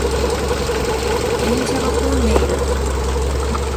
電車が混んでいる。